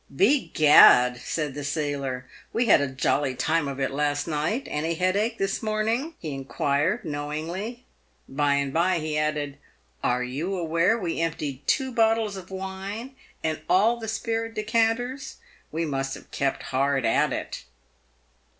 " Begad !" said the sailor, " we had a jolly time of it last night. Any headache this morning ?" he inquired, knowingly. By and by he added, " Are you aware we emptied two bottles of wine and all the spirit decanters. We must have kept hard at it."